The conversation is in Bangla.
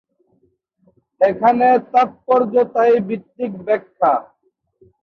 এখানে তাৎপর্য তাই ভিত্তিক ব্যাখ্যা।